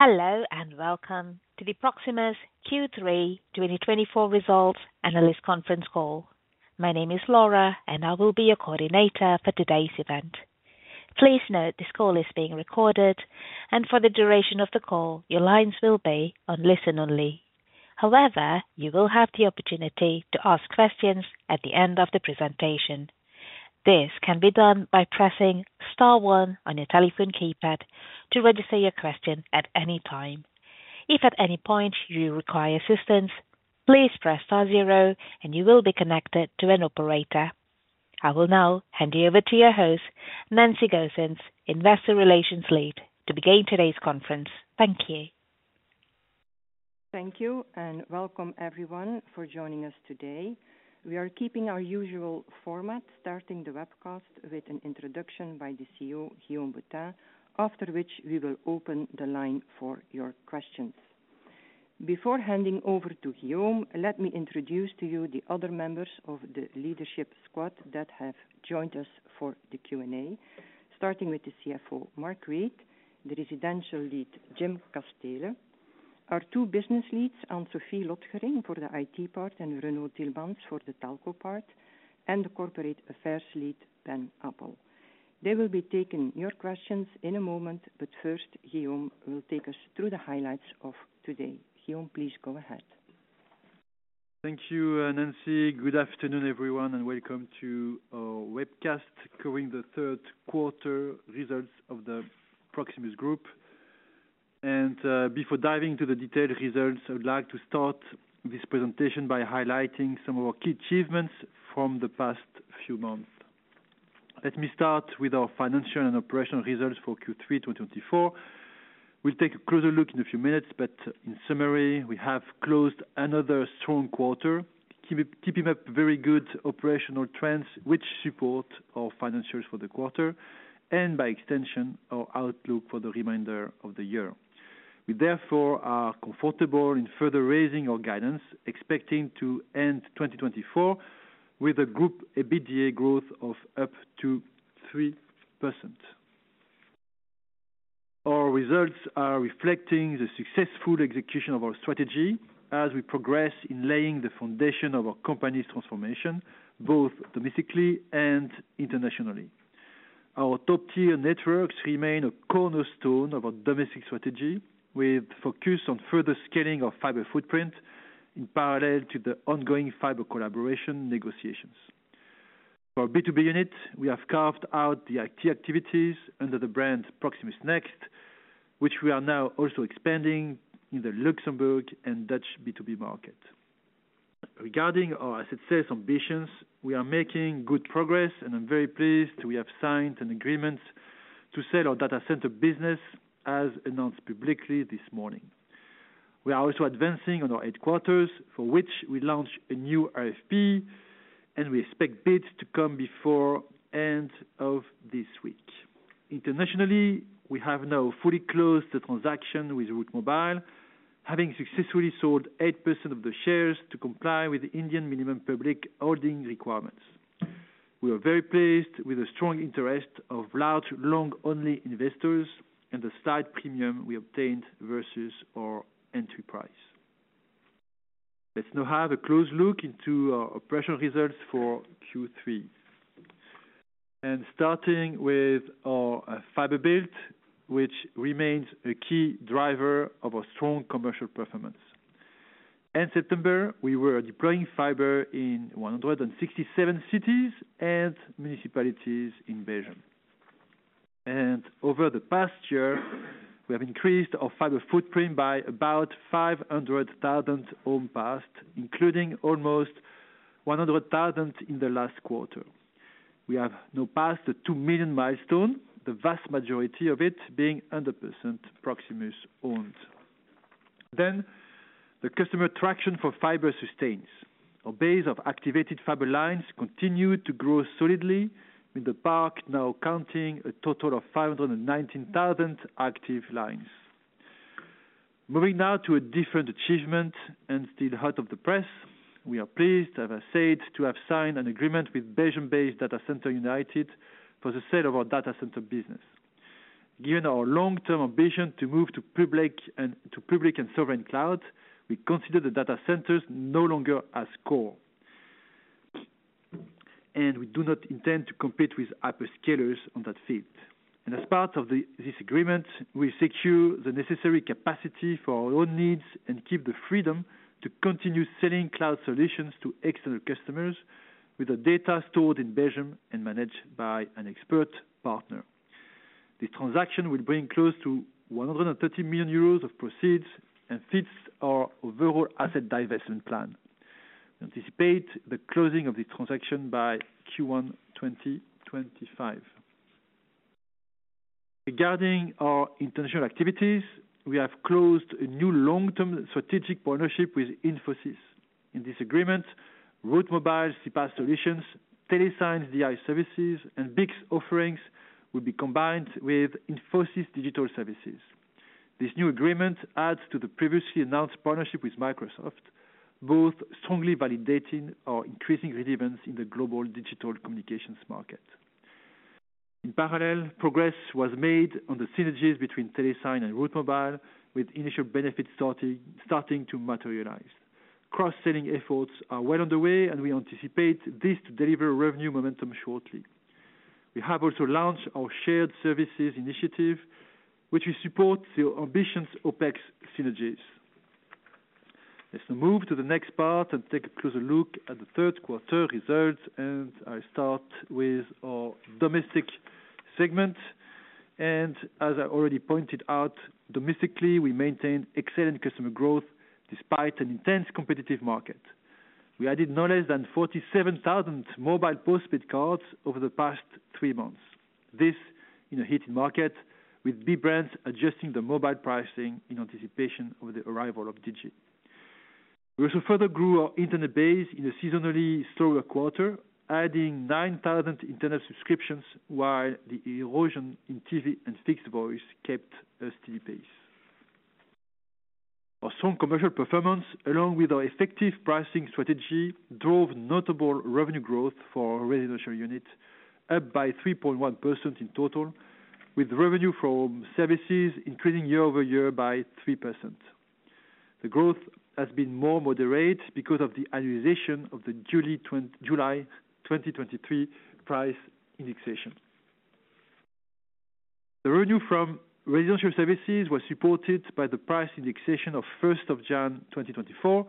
Hello, and welcome to the Proximus Q3 2024 results analyst conference call. My name is Laura, and I will be your coordinator for today's event. Please note, this call is being recorded, and for the duration of the call, your lines will be on listen-only. However, you will have the opportunity to ask questions at the end of the presentation. This can be done by pressing star one on your telephone keypad to register your question at any time. If at any point you require assistance, please press star zero, and you will be connected to an operator. I will now hand you over to your host, Nancy Goossens, Investor Relations Lead, to begin today's conference. Thank you. Thank you, and welcome everyone for joining us today. We are keeping our usual format, starting the webcast with an introduction by the CEO, Guillaume Boutin, after which we will open the line for your questions. Before handing over to Guillaume, let me introduce to you the other members of the leadership squad that have joined us for the Q&A. Starting with the CFO, Mark Reid, the Residential Lead, Jim Casteele, our two business leads, Anne-Sophie Lotgering for the IT part and Renaud Tilmans for the Telco part, and the Corporate Affairs Lead, Ben Appel. They will be taking your questions in a moment, but first, Guillaume will take us through the highlights of today. Guillaume, please go ahead. Thank you, Nancy. Good afternoon, everyone, and welcome to our webcast covering the third quarter results of the Proximus Group. Before diving to the detailed results, I would like to start this presentation by highlighting some of our key achievements from the past few months. Let me start with our financial and operational results for Q3 twenty twenty-four. We'll take a closer look in a few minutes, but in summary, we have closed another strong quarter, keeping up very good operational trends which support our financials for the quarter and by extension, our outlook for the remainder of the year. We therefore are comfortable in further raising our guidance, expecting to end twenty twenty-four with a group EBITDA growth of up to 3%. Our results are reflecting the successful execution of our strategy as we progress in laying the foundation of our company's transformation, both domestically and internationally. Our top-tier networks remain a cornerstone of our domestic strategy, with focus on further scaling our fiber footprint in parallel to the ongoing fiber collaboration negotiations. For our B2B unit, we have carved out the IT activities under the brand Proximus Next, which we are now also expanding in the Luxembourg and Dutch B2B market. Regarding our asset sales ambitions, we are making good progress, and I'm very pleased we have signed an agreement to sell our data center business as announced publicly this morning. We are also advancing on our headquarters, for which we launched a new RFP, and we expect bids to come before end of this week. Internationally, we have now fully closed the transaction with Route Mobile, having successfully sold 8% of the shares to comply with the Indian minimum public holding requirements. We are very pleased with the strong interest of large, long-only investors and the slight premium we obtained versus our entry price. Let's now have a close look into our operational results for Q3. And starting with our fiber build, which remains a key driver of our strong commercial performance. In September, we were deploying fiber in 167 cities and municipalities in Belgium. And over the past year, we have increased our fiber footprint by about 500,000 homes passed, including almost 100,000 in the last quarter. We have now passed the 2 million milestone, the vast majority of it being 100% Proximus-owned. Then, the customer traction for fiber sustains. Our base of activated fiber lines continued to grow solidly, with the base now counting a total of 519,000 active lines. Moving now to a different achievement and still hot off the press, we are pleased to have signed an agreement with Belgium-based Data Center United for the sale of our data center business. Given our long-term ambition to move to public and sovereign cloud, we consider the data centers no longer as core, and we do not intend to compete with hyperscalers on that field, and as part of this agreement, we secure the necessary capacity for our own needs and keep the freedom to continue selling cloud solutions to external customers, with the data stored in Belgium and managed by an expert partner. The transaction will bring close to 130 million euros of proceeds and fits our overall asset divestment plan. Anticipate the closing of the transaction by Q1 2025. Regarding our international activities, we have closed a new long-term strategic partnership with Infosys. In this agreement, Route Mobile's CPaaS solutions, Telesign's DI services, and BICS offerings will be combined with Infosys Digital Services. This new agreement adds to the previously announced partnership with Microsoft, both strongly validating our increasing relevance in the global digital communications market.... In parallel, progress was made on the synergies between Telesign and Route Mobile, with initial benefits starting to materialize. Cross-selling efforts are well underway, and we anticipate this to deliver revenue momentum shortly. We have also launched our shared services initiative, which will support the ambitious OpEx synergies. Let's now move to the next part and take a closer look at the third quarter results, and I start with our domestic segment, and as I already pointed out, domestically, we maintained excellent customer growth despite an intense competitive market. We added no less than 47,000 mobile postpaid cards over the past three months. This in a heated market, with big brands adjusting the mobile pricing in anticipation of the arrival of Digi. We also further grew our internet base in a seasonally slower quarter, adding 9,000 internet subscriptions, while the erosion in TV and fixed voice kept a steady pace. Our strong commercial performance, along with our effective pricing strategy, drove notable revenue growth for our residential unit, up by 3.1% in total, with revenue from services increasing year over year by 3%. The growth has been more moderate because of the annualization of the July 2023 price indexation. The revenue from residential services was supported by the price indexation of first of January 2024,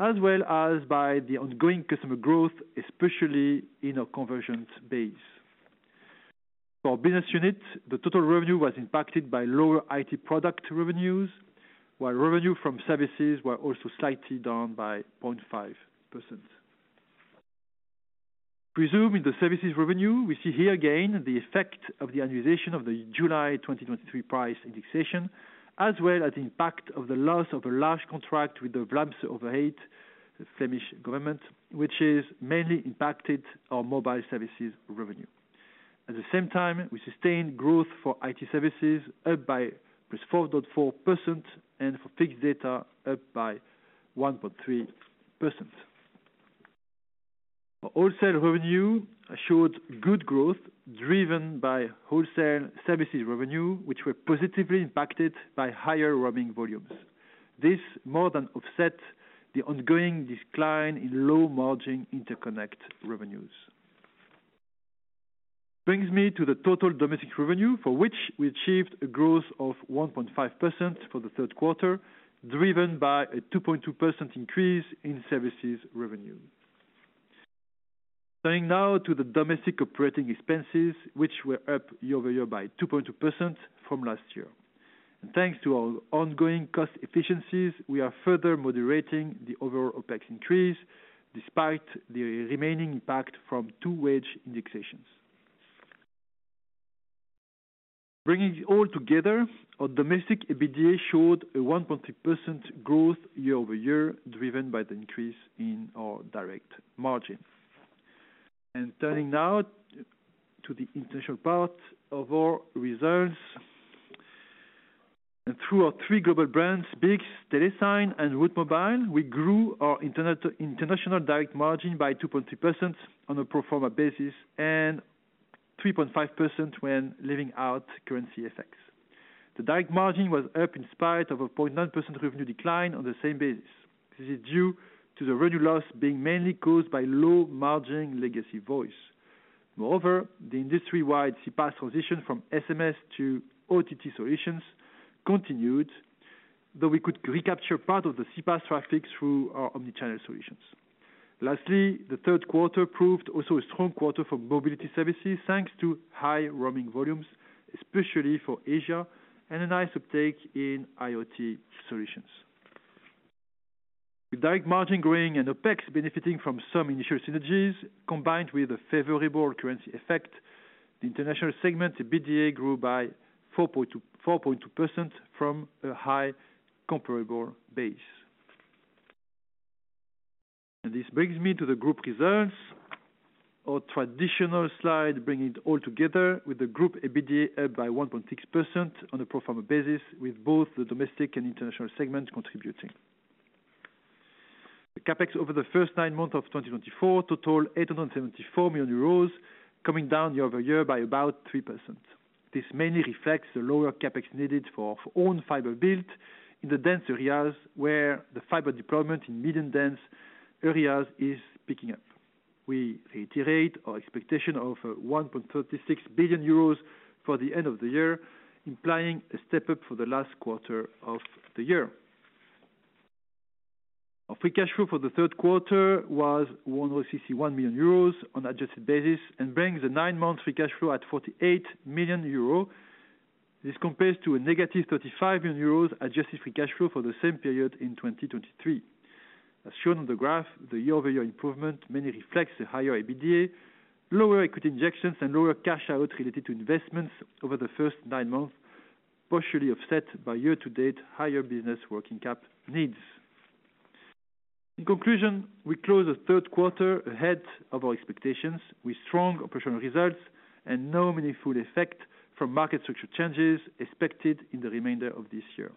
as well as by the ongoing customer growth, especially in our conversion base. For business unit, the total revenue was impacted by lower IT product revenues, while revenue from services were also slightly down by 0.5%. Regarding the services revenue, we see here again the effect of the annualization of the July twenty twenty-three price indexation, as well as the impact of the loss of a large contract with the Vlaamse Overheid, Flemish Government, which has mainly impacted our mobile services revenue. At the same time, we sustained growth for IT services, up by +4.4%, and for fixed data, up by 1.3%. Our wholesale revenue showed good growth, driven by wholesale services revenue, which were positively impacted by higher roaming volumes. This more than offset the ongoing decline in low-margin interconnect revenues. This brings me to the total domestic revenue, for which we achieved a growth of 1.5% for the third quarter, driven by a 2.2% increase in services revenue. Turning now to the domestic operating expenses, which were up year over year by 2.2% from last year, and thanks to our ongoing cost efficiencies, we are further moderating the overall OpEx increase, despite the remaining impact from two wage indexations. Bringing it all together, our domestic EBITDA showed a 1.2% growth year over year, driven by the increase in our direct margin, and turning now to the international part of our results. Through our three global brands, BICS, Telesign, and Route Mobile, we grew our international direct margin by 2.2% on a pro forma basis, and 3.5% when leaving out currency effects. The direct margin was up in spite of a 0.9% revenue decline on the same basis. This is due to the revenue loss being mainly caused by low-margin legacy voice. Moreover, the industry-wide CPaaS transition from SMS to OTT solutions continued, though we could recapture part of the CPaaS traffic through our omni-channel solutions. Lastly, the third quarter proved also a strong quarter for mobility services, thanks to high roaming volumes, especially for Asia, and a nice uptake in IoT solutions. With direct margin growing and OpEx benefiting from some initial synergies, combined with a favorable currency effect, the international segment EBITDA grew by 4.2, 4.2% from a high comparable base. This brings me to the group results. Our traditional slide, bringing it all together with the group EBITDA up by 1.6% on a pro forma basis, with both the domestic and international segments contributing. The CapEx over the first nine months of 2024 totaled 874 million euros, coming down year over year by about 3%. This mainly reflects the lower CapEx needed for our own fiber build in the dense areas where the fiber deployment in medium dense areas is picking up. We reiterate our expectation of 1.36 billion euros for the end of the year, implying a step up for the last quarter of the year. Our free cash flow for the third quarter was 161 million euros on adjusted basis, and brings the nine-month free cash flow at 48 million euros. This compares to a negative 35 million euros adjusted free cash flow for the same period in 2023. As shown on the graph, the year-over-year improvement mainly reflects the higher EBITDA, lower equity injections, and lower cash out related to investments over the first nine months, partially offset by year-to-date higher business working capital needs. In conclusion, we closed the third quarter ahead of our expectations, with strong operational results and no meaningful effect from market structure changes expected in the remainder of this year.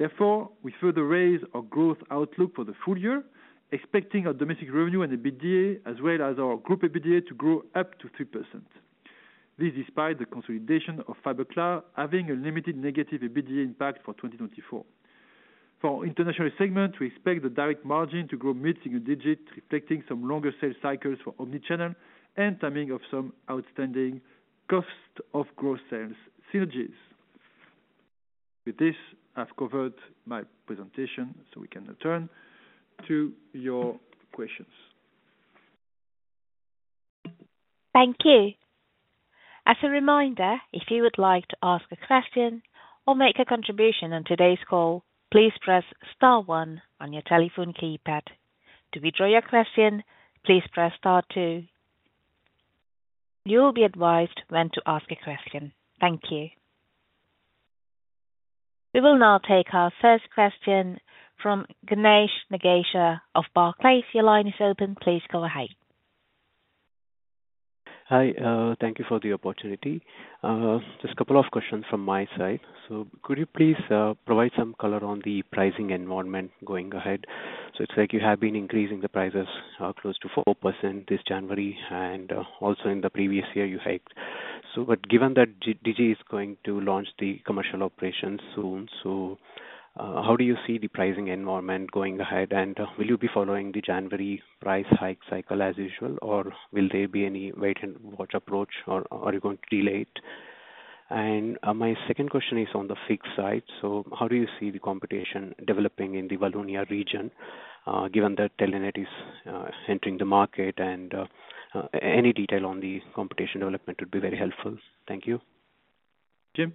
Therefore, we further raise our growth outlook for the full year, expecting our domestic revenue and EBITDA, as well as our group EBITDA, to grow up to 3%. This despite the consolidation of Fiberklaar having a limited negative EBITDA impact for 2024. For our international segment, we expect the direct margin to grow mid-single digit, reflecting some longer sales cycles for omnichannel and timing of some outstanding cost of growth sales synergies. With this, I've covered my presentation, so we can now turn to your questions. Thank you. As a reminder, if you would like to ask a question or make a contribution on today's call, please press Star one on your telephone keypad. To withdraw your question, please press Star two. You will be advised when to ask a question. Thank you. We will now take our first question from Ganesh Nagesha of Barclays. Your line is open. Please go ahead. Hi, thank you for the opportunity. Just a couple of questions from my side. Could you please provide some color on the pricing environment going ahead? It's like you have been increasing the prices close to 4% this January, and also in the previous year, you hiked. But given that Digi is going to launch the commercial operation soon, how do you see the pricing environment going ahead? And will you be following the January price hike cycle as usual, or will there be any wait-and-watch approach, or are you going to delay it? And my second question is on the fixed side. How do you see the competition developing in the Wallonia region, given that Telenet is entering the market, and any detail on the competition development would be very helpful? Thank you. Jim?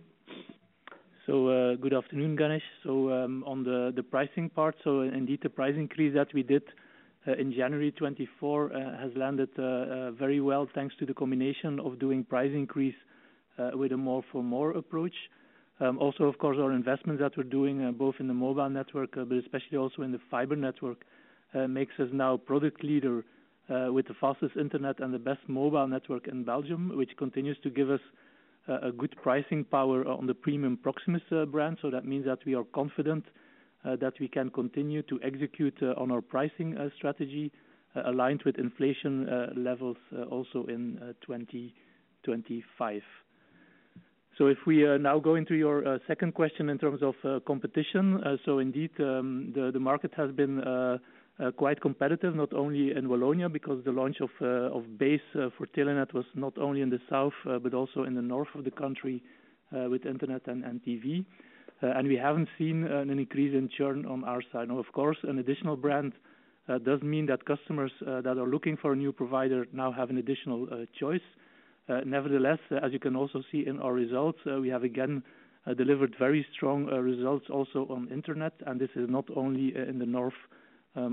So, good afternoon, Ganesh. On the pricing part, indeed, the price increase that we did in January 2024 has landed very well, thanks to the combination of doing price increase with a more for more approach. Also, of course, our investments that we're doing both in the mobile network but especially also in the fiber network makes us now product leader with the fastest internet and the best mobile network in Belgium. Which continues to give us a good pricing power on the premium Proximus brand. So that means that we are confident that we can continue to execute on our pricing strategy aligned with inflation levels also in 2025. So if we now go into your second question in terms of competition. So indeed, the market has been quite competitive, not only in Wallonia. Because the launch of Base for Telenet was not only in the south, but also in the north of the country, with internet and TV. And we haven't seen an increase in churn on our side. Now, of course, an additional brand does mean that customers that are looking for a new provider now have an additional choice. Nevertheless, as you can also see in our results, we have again delivered very strong results also on internet, and this is not only in the north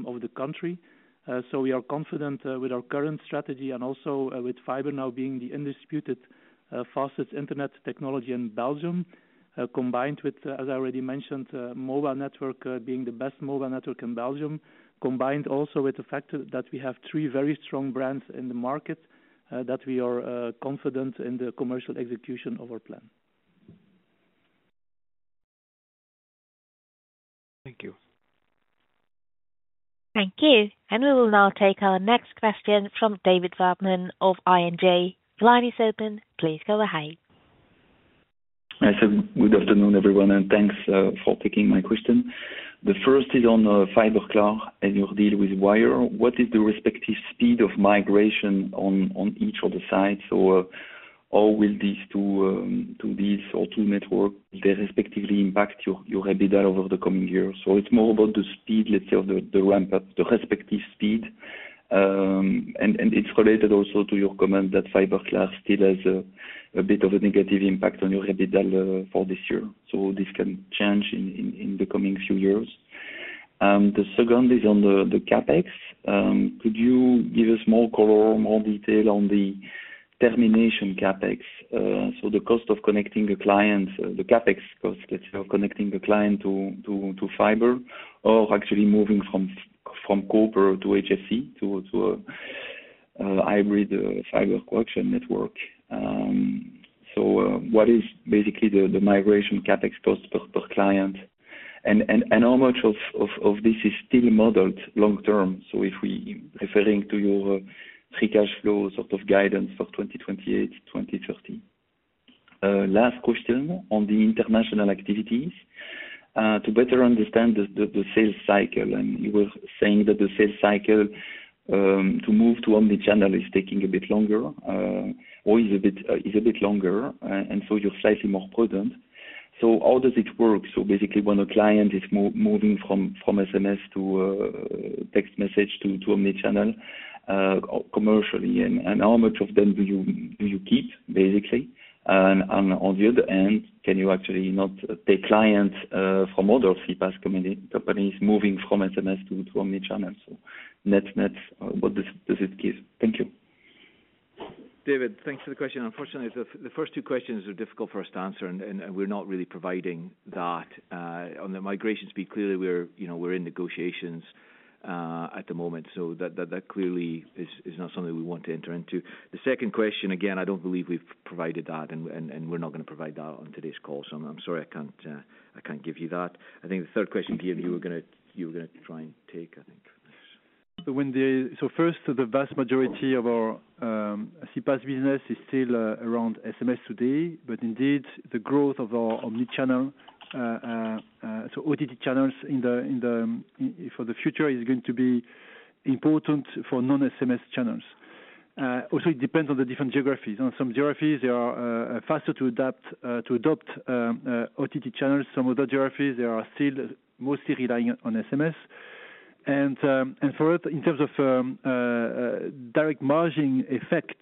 of the country. So we are confident with our current strategy and also with Fiber now being the undisputed fastest internet technology in Belgium. Combined with, as I already mentioned, mobile network being the best mobile network in Belgium. Combined also with the fact that we have three very strong brands in the market that we are confident in the commercial execution of our plan. Thank you. Thank you, and we will now take our next question from David Vagman of ING. The line is open. Please go ahead. I said good afternoon, everyone, and thanks for taking my question. The first is on Fiberklaar and your deal with Wyre. What is the respective speed of migration on each of the sides, or will these two networks respectively impact your EBITDA over the coming years? So it's more about the speed, let's say, of the ramp-up, the respective speed. And it's related also to your comment that Fiberklaar still has a bit of a negative impact on your EBITDA for this year. So this can change in the coming few years. The second is on the CapEx. Could you give us more color, more detail on the termination CapEx? So the cost of connecting a client, the CapEx cost, let's say, of connecting a client to fiber, or actually moving from copper to HFC, to a hybrid fiber coaxial network. So what is basically the migration CapEx cost per client? And how much of this is still modeled long term? So if we referring to your free cash flow sort of guidance for 2028, 2030. Last question on the international activities. To better understand the sales cycle, and you were saying that the sales cycle to move to omnichannel is taking a bit longer, or is a bit longer, and so you're slightly more prudent. So how does it work? So basically, when a client is moving from SMS to text message to omnichannel, commercially, and how much of them do you keep, basically? And on the other end, can you actually not take clients from other CPaaS companies moving from SMS to omnichannel? So net-net, what does it give? Thank you. David, thanks for the question. Unfortunately, the first two questions are difficult for us to answer, and we're not really providing that. On the migration speed, clearly we're, you know, we're in negotiations at the moment, so that clearly is not something we want to enter into. The second question, again, I don't believe we've provided that, and we're not gonna provide that on today's call. So I'm sorry, I can't give you that. I think the third question, Jim, you were gonna try and take, I think. First, the vast majority of our CPaaS business is still around SMS today. But indeed, the growth of our omni-channel so OTT channels in the future is going to be important for non-SMS channels. Also it depends on the different geographies. On some geographies, they are faster to adopt OTT channels. Some other geographies, they are still mostly relying on SMS. And for it, in terms of direct margin effect,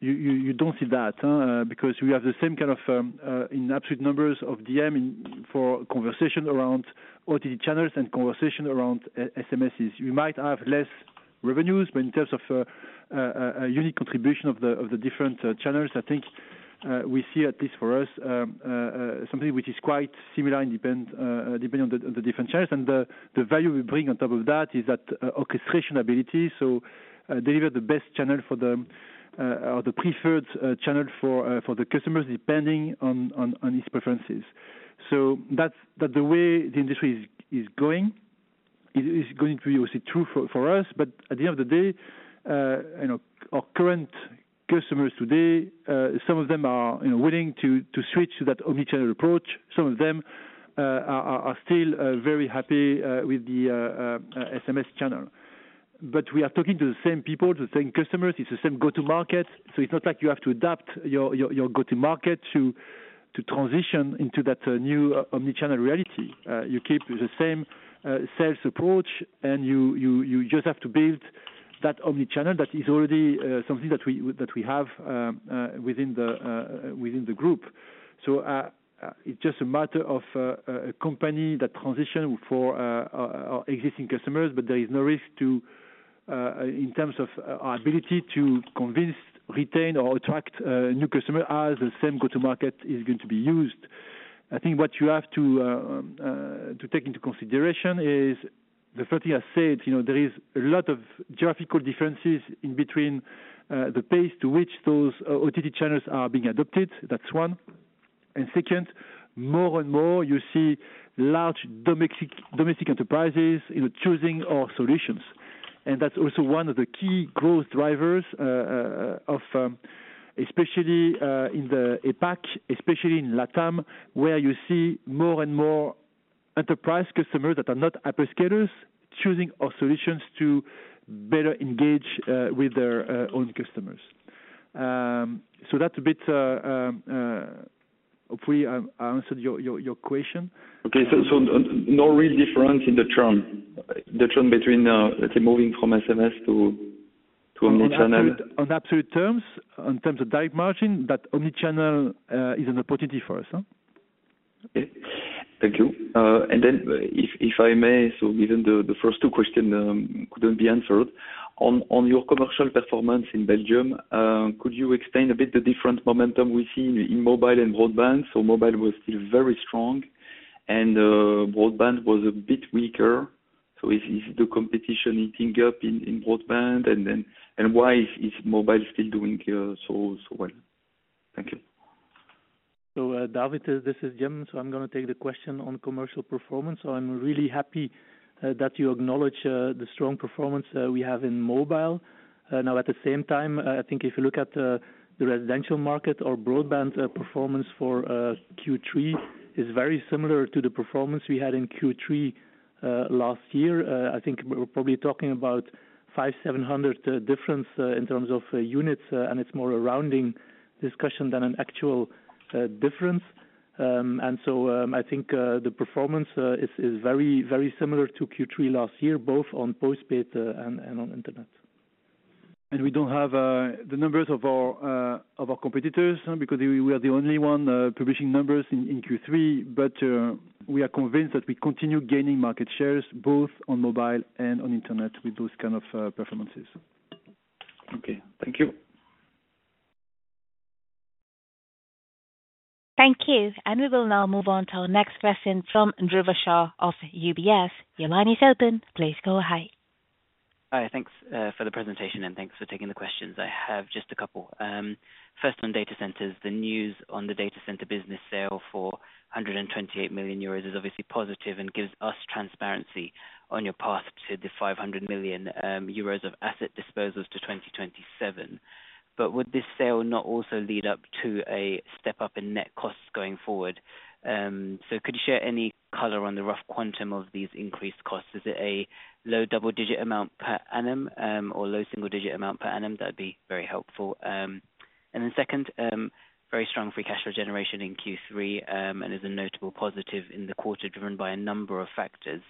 you don't see that because we have the same kind of in absolute numbers of DM for conversation around OTT channels and conversation around SMSs. We might have less revenues, but in terms of a unique contribution of the different channels, I think we see, at least for us, something which is quite similar and depends on the different channels. And the value we bring on top of that is that orchestration ability. So deliver the best channel for the or the preferred channel for the customers, depending on his preferences. So that's the way the industry is going. It is going to be also true for us, but at the end of the day, you know, our current customers today, some of them are, you know, willing to switch to that omnichannel approach. Some of them are still very happy with the SMS channel. But we are talking to the same people, the same customers, it's the same go-to-market. So it's not like you have to adapt your go-to-market to transition into that new omni-channel reality. You keep the same sales approach and you just have to build that omni-channel. That is already something that we have within the group. So it's just a matter of a company that transition for our existing customers. But there is no risk to in terms of our ability to convince, retain, or attract new customer, as the same go-to-market is going to be used. I think what you have to to take into consideration is the first thing I said, you know. There is a lot of geographical differences in between the pace to which those OTT channels are being adopted. That's one, and second, more and more you see large domestic enterprises, you know, choosing our solutions. And that's also one of the key growth drivers of especially in the APAC, especially in Latam, where you see more and more enterprise customers that are not hyperscalers, choosing our solutions to better engage with their own customers. So that's a bit. Hopefully I answered your question. Okay. So no real difference in the trend between, let's say, moving from SMS to omni-channel? On absolute terms, in terms of direct margin, but omnichannel is an opportunity for us. Okay. Thank you. And then if I may, so given the first two questions couldn't be answered. On your commercial performance in Belgium, could you explain a bit the different momentum we see in mobile and broadband? So mobile was still very strong and broadband was a bit weaker. So is the competition heating up in broadband? And then why is mobile still doing so well? Thank you. David, this is Jim. I'm gonna take the question on commercial performance. I'm really happy that you acknowledge the strong performance we have in mobile. Now, at the same time, I think if you look at the residential market or broadband performance for Q3 is very similar to the performance we had in Q3 last year. I think we're probably talking about 500-700 difference in terms of units. And it's more a rounding discussion than an actual difference. I think the performance is very, very similar to Q3 last year, both on postpaid and on internet. We don't have the numbers of our competitors, because we are the only one publishing numbers in Q3. We are convinced that we continue gaining market shares, both on mobile and on internet, with those kind of performances. Okay, thank you. Thank you. And we will now move on to our next question from Rivera Shaw of UBS. Your line is open, please go ahead. Hi, thanks for the presentation, and thanks for taking the questions. I have just a couple. First, on data centers. The news on the data center business sale for 128 million euros is obviously positive and gives us transparency on your path to the 500 million euros of asset disposals to 2027, but would this sale not also lead up to a step-up in net costs going forward? So could you share any color on the rough quantum of these increased costs? Is it a low double-digit amount per annum, or low single-digit amount per annum? That'd be very helpful, and then second, very strong free cash flow generation in Q3 and is a notable positive in the quarter, driven by a number of factors,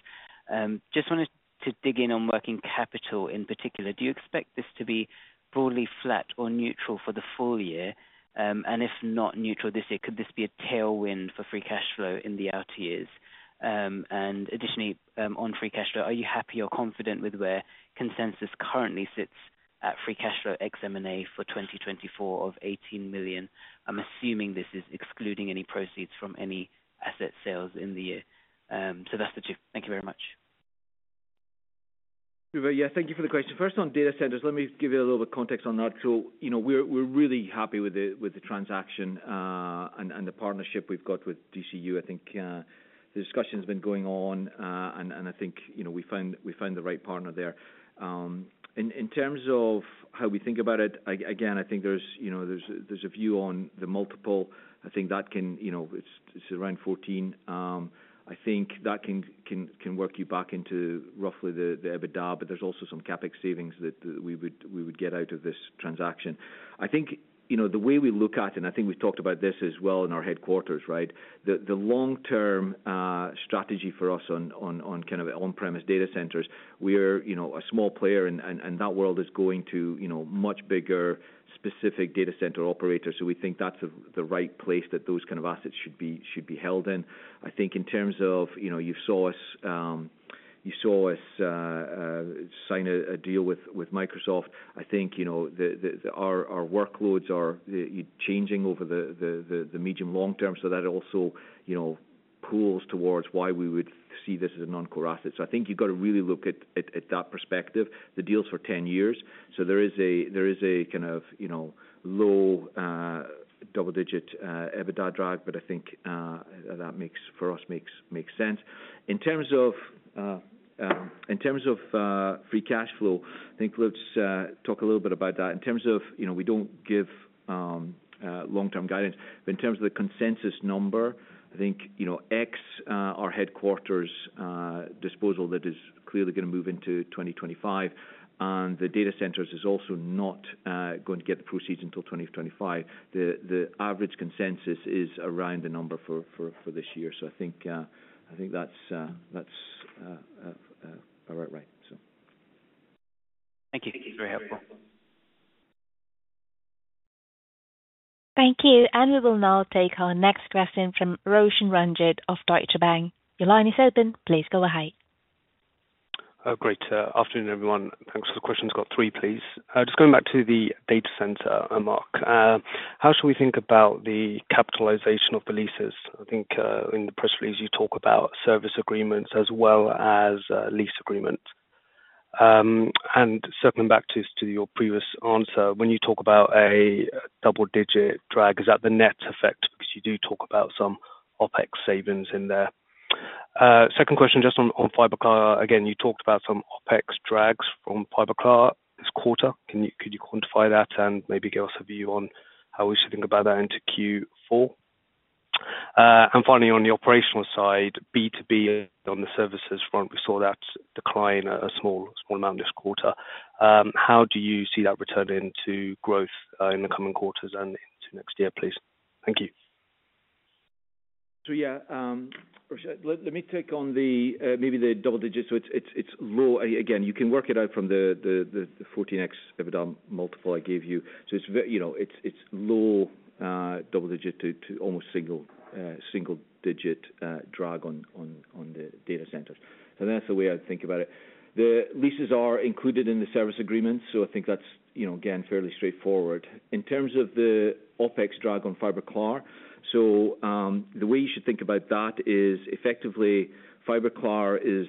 just wanted to dig in on working capital in particular. Do you expect this to be broadly flat or neutral for the full year? And if not neutral this year, could this be a tailwind for free cash flow in the outer years? And additionally, on free cash flow, are you happy or confident with where consensus currently sits at free cash flow ex M&A for 2024 of 18 million? I'm assuming this is excluding any proceeds from any asset sales in the year. So that's the two. Thank you very much. ... Yeah, thank you for the question. First, on data centers, let me give you a little bit of context on that. So, you know, we're really happy with the transaction and the partnership we've got with DCU. I think the discussion's been going on and I think, you know, we found the right partner there. In terms of how we think about it, again, I think there's, you know, there's a view on the multiple. I think that can, you know, it's around fourteen. I think that can work you back into roughly the EBITDA, but there's also some CapEx savings that we would get out of this transaction. I think, you know, the way we look at, and I think we've talked about this as well in our headquarters, right? The long-term strategy for us on kind of on-premise data centers, we are, you know, a small player, and that world is going to, you know, much bigger, specific data center operators. So we think that's the right place that those kind of assets should be held in. I think in terms of, you know, you saw us sign a deal with Microsoft. I think, you know, our workloads are changing over the medium long term. So that also, you know, pulls towards why we would see this as a non-core asset. So I think you've got to really look at that perspective. The deal's for 10 years, so there is a kind of, you know, low double-digit EBITDA drag. But I think that makes sense for us. In terms of free cash flow, I think let's talk a little bit about that. In terms of, you know, we don't give long-term guidance, but in terms of the consensus number, I think, you know, the headquarters disposal, that is clearly gonna move into 2025, and the data centers is also not going to get the proceeds until 2025. The average consensus is around the number for this year. So I think that's about right. Thank you. Very helpful. Thank you. And we will now take our next question from Roshan Ranjit of Deutsche Bank. Your line is open. Please go ahead. Great. Afternoon, everyone. Thanks for the questions. Got three, please. Just going back to the data center, Mark. How should we think about the capitalization of the leases? I think, in the press release, you talk about service agreements as well as lease agreements. Circling back to your previous answer, when you talk about a double digit drag, is that the net effect? Because you do talk about some OpEx savings in there. Second question, just on Fiberklaar. Again, you talked about some OpEx drags from Fiberklaar this quarter. Could you quantify that and maybe give us a view on how we should think about that into Q4? Finally, on the operational side, B2B on the services front, we saw that decline a small, small amount this quarter. How do you see that returning to growth, in the coming quarters and into next year, please? Thank you. So, Roshan, let me take on the maybe the double digits. So it's low. Again, you can work it out from the 14x EBITDA multiple I gave you. So it's you know, it's low double digit to almost single single digit drag on the data centers. So that's the way I'd think about it. The leases are included in the service agreement, so I think that's you know again fairly straightforward. In terms of the OpEx drag on Fiberklaar, so the way you should think about that is effectively Fiberklaar is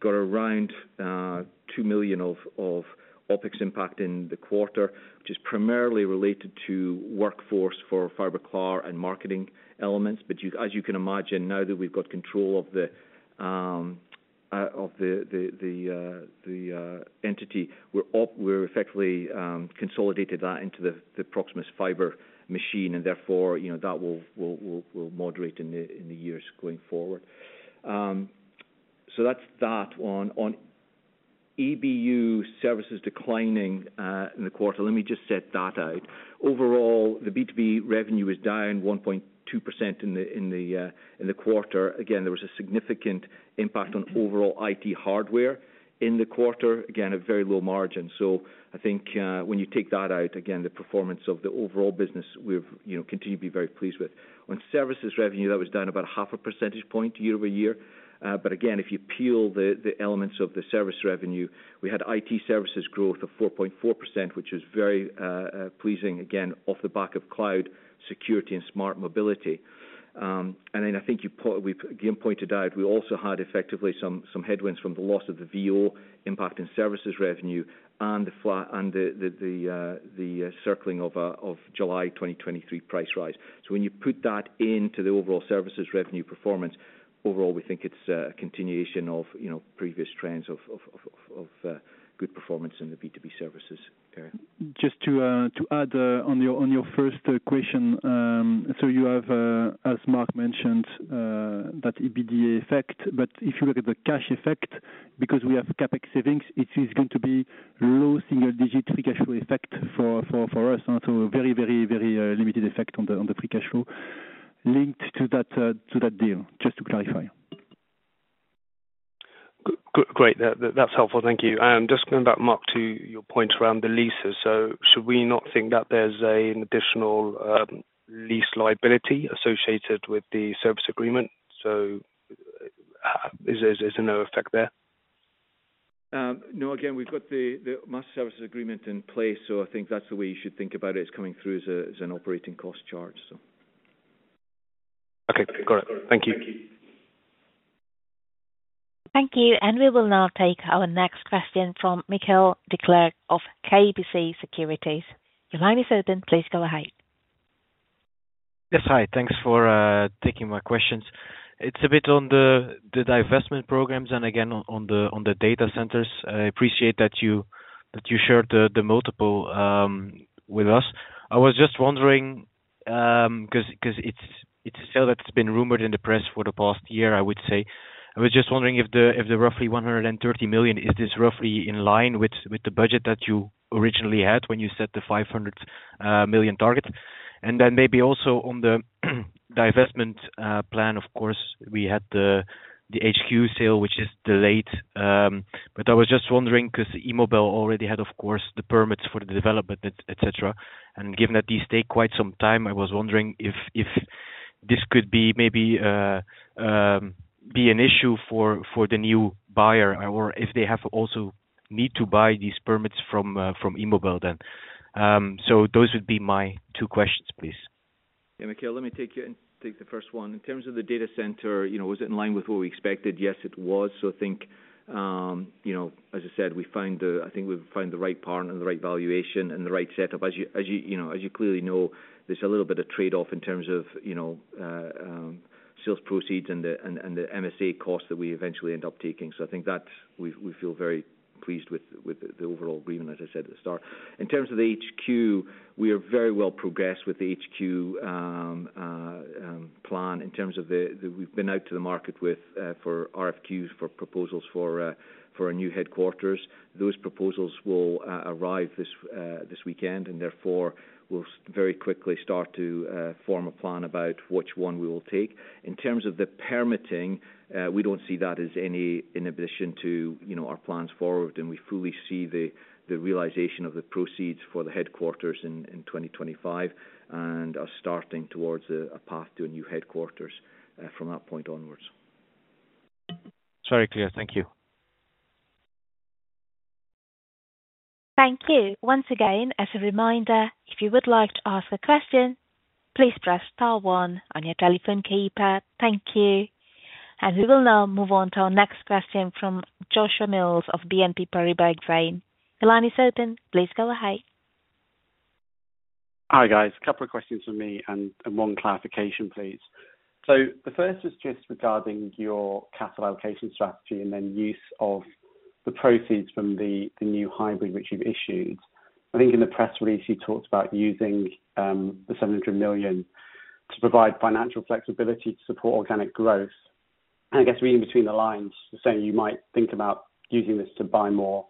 got around 2 million of OpEx impact in the quarter, which is primarily related to workforce for Fiberklaar and marketing elements. But you, as you can imagine, now that we've got control of the entity, we're effectively consolidated that into the Proximus Fiber machine, and therefore, you know, that will moderate in the years going forward. So that's that one. On EBU services declining in the quarter, let me just set that out. Overall, the B2B revenue was down 1.2% in the quarter. Again, there was a significant impact on overall IT hardware in the quarter. Again, a very low margin. So I think, when you take that out, again, the performance of the overall business, we've continued to be very pleased with. On services revenue, that was down about 0.5 percentage points year over year. But again, if you peel the elements of the service revenue, we had IT services growth of 4.4%, which is very pleasing, again, off the back of cloud security and smart mobility. And then I think we've again pointed out, we also had effectively some headwinds from the loss of the VO impact in services revenue and the cycling of July 2023 price rise. So when you put that into the overall services revenue performance, overall, we think it's a continuation of, you know, previous trends of good performance in the B2B services area. Just to add on your first question. So you have, as Mark mentioned, that EBITDA effect. But if you look at the cash effect, because we have CapEx savings, it is going to be low single digit free cash flow effect for us. So very limited effect on the free cash flow linked to that deal. Just to clarify. Great. That, that's helpful. Thank you. And just coming back, Mark, to your point around the leases, so should we not think that there's a, an additional lease liability associated with the service agreement? So, is there no effect there? No. Again, we've got the master services agreement in place, so I think that's the way you should think about it. It's coming through as an operating cost charge, so.... Okay, got it. Thank you. Thank you. And we will now take our next question from Michiel Declerck of KBC Securities. Your line is open, please go ahead. Yes, hi. Thanks for taking my questions. It's a bit on the divestment programs, and again, on the data centers. I appreciate that you shared the multiple with us. I was just wondering, 'cause it's still that's been rumored in the press for the past year, I would say. I was just wondering if the roughly 130 million is this roughly in line with the budget that you originally had when you set the 500 million target? And then maybe also on the divestment plan, of course, we had the HQ sale, which is delayed. But I was just wondering, 'cause Immobel already had, of course, the permits for the development, et cetera. And given that these take quite some time, I was wondering if this could be maybe be an issue for the new buyer, or if they have also need to buy these permits from Immobel then. So those would be my two questions, please. Yeah, Mikhail, let me take you in, take the first one. In terms of the data center, you know, was it in line with what we expected? Yes, it was. So I think, you know, as I said, I think we've found the right partner and the right valuation and the right setup. As you, you know, as you clearly know, there's a little bit of trade-off in terms of, you know, sales proceeds and the MSA costs that we eventually end up taking. So I think that's, we feel very pleased with the overall agreement, as I said at the start. In terms of the HQ, we are very well progressed with the HQ plan in terms of the, the... We've been out to the market with RFPs for proposals for our new headquarters. Those proposals will arrive this weekend, and therefore we'll very quickly start to form a plan about which one we will take. In terms of the permitting, we don't see that as any inhibition to, you know, our plans forward, and we fully see the realization of the proceeds for the headquarters in 2025, and are starting towards a path to a new headquarters from that point onwards. Very clear. Thank you. Thank you. Once again, as a reminder, if you would like to ask a question, please press star one on your telephone keypad. Thank you. And we will now move on to our next question from Joshua Mills of BNP Paribas Exane. The line is open. Please go ahead. Hi, guys. A couple of questions from me and one clarification, please. So the first is just regarding your capital allocation strategy and then use of the proceeds from the new hybrid, which you've issued. I think in the press release, you talked about using 700 million to provide financial flexibility to support organic growth. And I guess reading between the lines, saying you might think about using this to buy more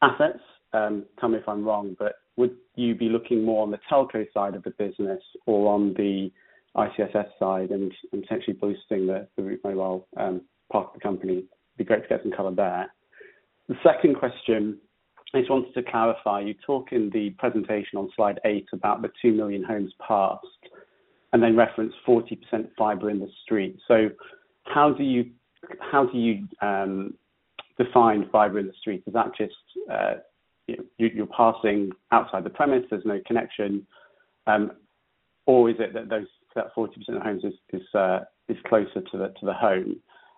assets, tell me if I'm wrong, but would you be looking more on the telco side of the business or on the ITSS side and potentially boosting the Route Mobile part of the company? It'd be great to get some color there. The second question, I just wanted to clarify, you talk in the presentation on slide eight about the two million homes passed, and then reference 40% fiber in the street. So how do you define fiber in the street? Is that just you're passing outside the premise, there's no connection, or is it that those 40% of homes is closer to the home?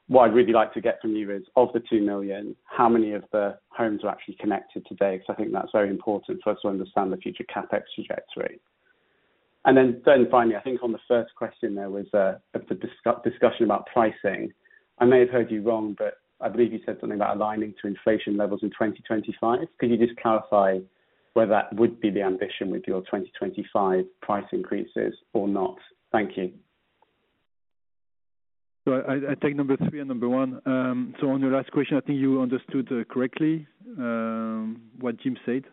What I'd really like to get from you is, of the two million, how many of the homes are actually connected today? 'Cause I think that's very important for us to understand the future CapEx trajectory. And then finally, I think on the first question, there was a discussion about pricing. I may have heard you wrong, but I believe you said something about aligning to inflation levels in 2025. Could you just clarify whether that would be the ambition with your twenty twenty-five price increases or not? Thank you. So I take number three and number one. So on your last question, I think you understood correctly what Jim said.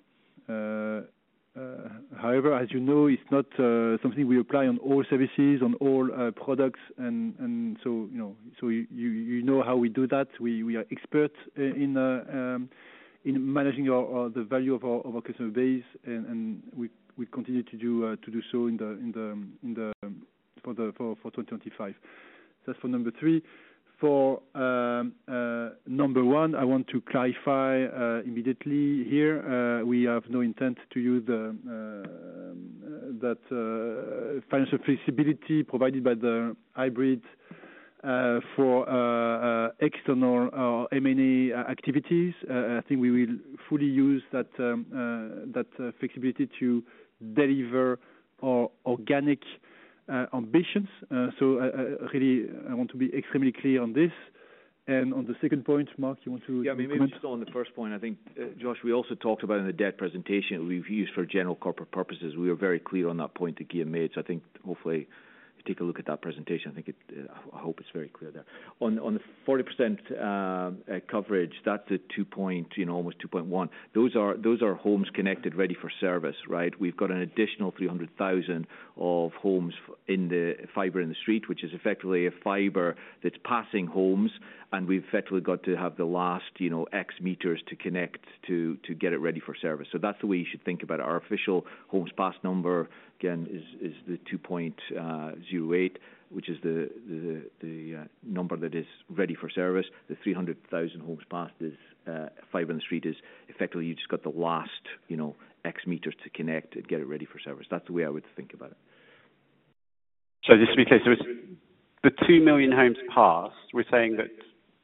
However, as you know, it's not something we apply on all services, on all products, and so you know how we do that. We are expert in managing the value of our customer base, and we continue to do so in 2025. That's for number three. For number one, I want to clarify immediately here, we have no intent to use that financial flexibility provided by the hybrid for external or M&A activities. I think we will fully use that flexibility to deliver our organic ambitions. So I really want to be extremely clear on this. And on the second point, Mark, you want to- Yeah, I mean, maybe just on the first point, I think, Josh, we also talked about in the debt presentation we've used for general corporate purposes. We are very clear on that point that Guillaume made. So I think hopefully, if you take a look at that presentation, I think it, I hope it's very clear there. On, on the 40% coverage, that's a 2 point, you know, almost 2.1. Those are, those are homes connected, ready for service, right? We've got an additional 300,000 homes in the fiber in the street, which is effectively a fiber that's passing homes, and we've effectively got to have the last, you know, X meters to connect to, to get it ready for service. So that's the way you should think about it. Our official homes passed number, again, is the 2.08, which is the number that is ready for service. The 300,000 homes passed is fiber in the street is effectively you just got the last, you know, X meters to connect and get it ready for service. That's the way I would think about it.... So just to be clear, so it's the two million homes passed. We're saying that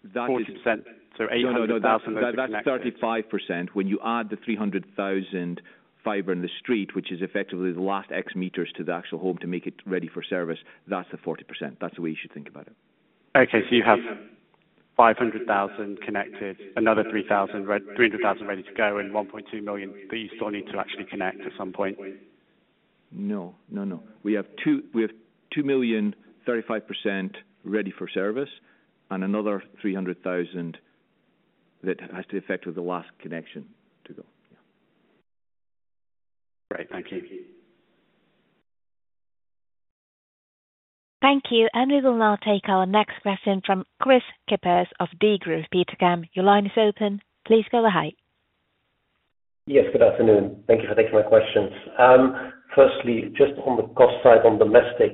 40%, so eight hundred thousand homes are connected. No, no, that's, that's 35%. When you add the 300,000 fiber in the street, which is effectively the last X meters to the actual home to make it ready for service, that's the 40%. That's the way you should think about it. Okay, so you have 500,000 connected, another 3,000... 300,000 ready to go, and 1.2 million that you still need to actually connect at some point? No. No, no. We have 2, we have 2 million, 35% ready for service and another 300,000 that has to effect with the last connection to go. Yeah. Great. Thank you. Thank you, and we will now take our next question from Kris Kippers of Degroof Petercam. Your line is open. Please go ahead. Yes, good afternoon. Thank you for taking my questions. Firstly, just on the cost side, on domestic,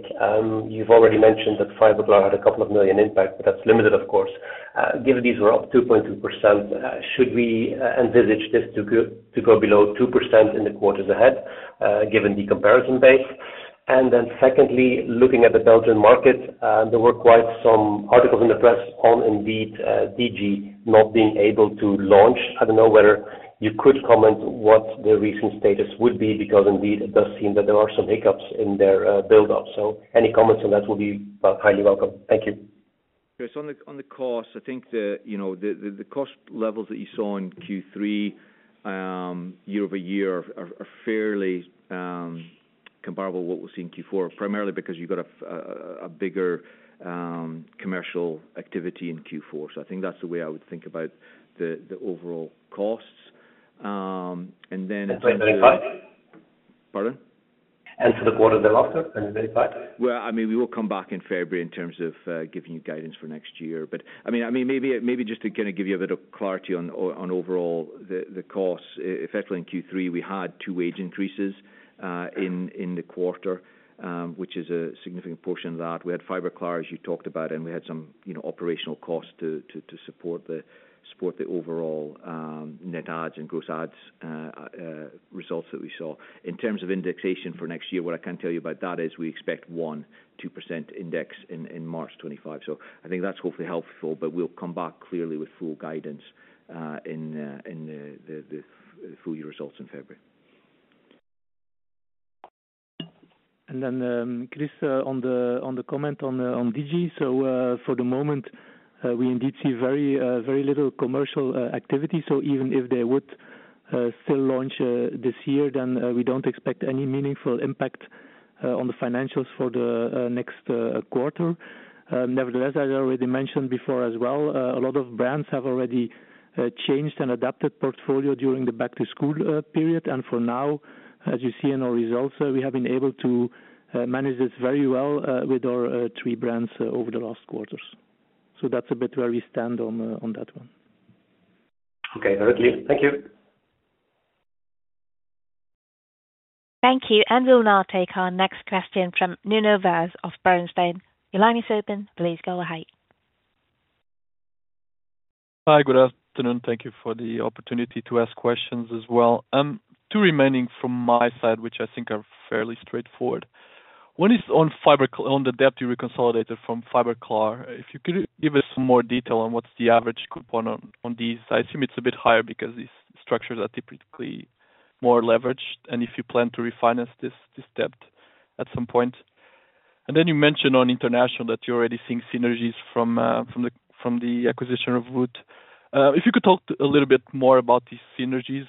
you've already mentioned that Fiberklaar had a couple of million impact, but that's limited, of course. Given these were up 2.2%, should we envisage this to go below 2% in the quarters ahead, given the comparison base? And then secondly, looking at the Belgian market, there were quite some articles in the press on indeed, Digi not being able to launch. I don't know whether you could comment what the recent status would be, because indeed it does seem that there are some hiccups in their build-up. So any comments on that will be highly welcome. Thank you. Yes, on the cost, I think, you know, the cost levels that you saw in Q3 year over year are fairly comparable to what we see in Q4, primarily because you've got a bigger commercial activity in Q4. So I think that's the way I would think about the overall costs. And then- 2025? Pardon? For the quarter thereafter, 2025. I mean, we will come back in February in terms of giving you guidance for next year. But I mean, maybe just to kind of give you a bit of clarity on overall the costs. Effectively in Q3, we had two wage increases in the quarter, which is a significant portion of that. We had Fiberklaar, as you talked about, and we had some, you know, operational costs to support the overall net adds and gross adds results that we saw. In terms of indexation for next year, what I can tell you about that is we expect 1-2% index in March 2025. So I think that's hopefully helpful, but we'll come back clearly with full guidance in the full year results in February. And then, Chris, on the comment on Digi. So, for the moment, we indeed see very, very little commercial activity. So even if they would still launch this year, then we don't expect any meaningful impact on the financials for the next quarter. Nevertheless, as I already mentioned before as well, a lot of brands have already changed and adapted portfolio during the back to school period. And for now, as you see in our results, we have been able to manage this very well with our three brands over the last quarters. So that's a bit where we stand on that one. Okay. Very clear. Thank you. Thank you. And we'll now take our next question from Nuno Vaz of Bernstein. Your line is open. Please go ahead. Hi, good afternoon. Thank you for the opportunity to ask questions as well. Two remaining from my side, which I think are fairly straightforward. One is on the debt you reconsolidated from Fiberklaar. If you could give us some more detail on what's the average coupon on these. I assume it's a bit higher because these structures are typically more leveraged, and if you plan to refinance this debt at some point. And then you mentioned on international that you're already seeing synergies from the acquisition of Route Mobile. If you could talk a little bit more about these synergies.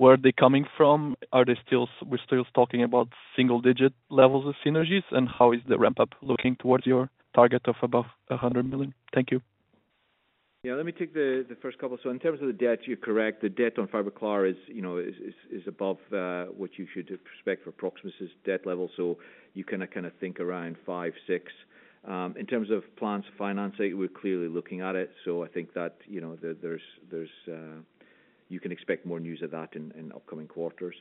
Where are they coming from? Are they still, we're still talking about single digit levels of synergies, and how is the ramp-up looking towards your target of above 100 million? Thank you. Yeah, let me take the first couple. So in terms of the debt, you're correct. The debt on Fiberklaar is, you know, above what you should expect for Proximus' debt level. So you kind of think around five, six. In terms of plans to finance it, we're clearly looking at it, so I think that, you know, you can expect more news of that in upcoming quarters.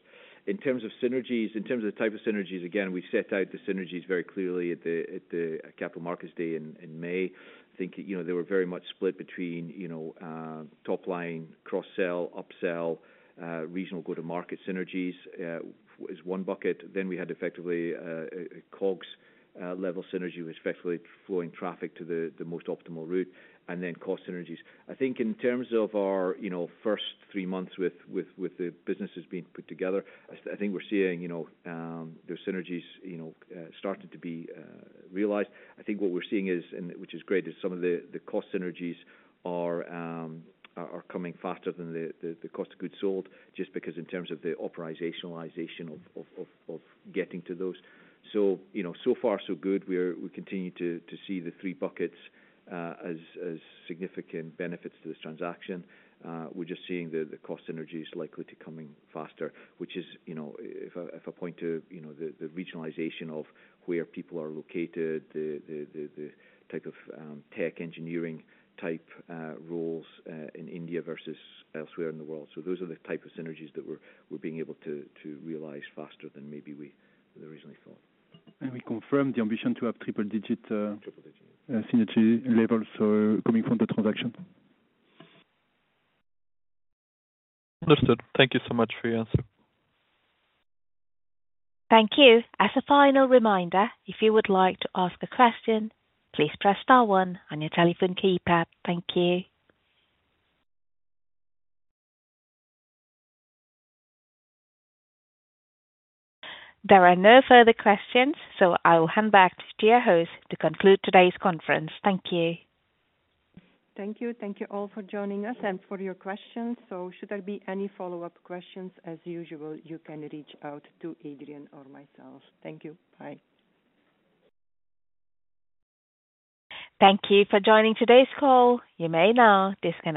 In terms of synergies, in terms of the type of synergies, again, we set out the synergies very clearly at the Capital Markets Day in May. I think, you know, they were very much split between, you know, top line, cross-sell, up-sell, regional go-to-market synergies is one bucket. Then we had effectively a COGS-level synergy with effectively flowing traffic to the most optimal route, and then cost synergies. I think in terms of our, you know, first three months with the businesses being put together, I think we're seeing, you know, those synergies, you know, starting to be realized. I think what we're seeing is, and which is great, is some of the cost synergies are coming faster than the cost of goods sold, just because in terms of the operationalization of getting to those. So, you know, so far, so good. We continue to see the three buckets as significant benefits to this transaction. We're just seeing the cost synergies likely to coming faster, which is, you know, if I point to, you know, the regionalization of where people are located, the type of tech engineering type roles in India versus elsewhere in the world. So those are the type of synergies that we're being able to realize faster than maybe we originally thought. We confirm the ambition to have triple digit. Triple digit ... synergy levels are coming from the transaction. Understood. Thank you so much for your answer. Thank you. As a final reminder, if you would like to ask a question, please press star one on your telephone keypad. Thank you. There are no further questions, so I will hand back to your host to conclude today's conference. Thank you. Thank you. Thank you all for joining us and for your questions. So should there be any follow-up questions, as usual, you can reach out to Adrian or myself. Thank you. Bye. Thank you for joining today's call. You may now disconnect.